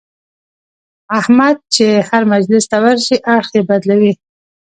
احمد چې هر مجلس ته ورشي اړخ یې بدلوي.